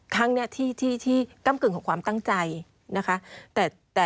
ครั้งนี้ที่กำกึ่งของความตั้งใจนะคะ